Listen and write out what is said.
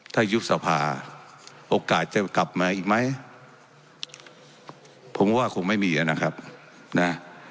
ถ้ายุบสภาโอกาสจะกลับมาอีกไหมผมว่าคงไม่มีนะครับนะ